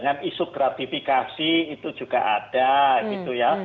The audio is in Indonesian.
dan isu gratifikasi itu juga ada gitu ya